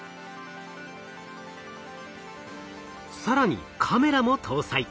更にカメラも搭載。